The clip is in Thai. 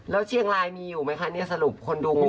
แล้วเชียงรายมีอยู่มั้ยคะสรุปคนดูง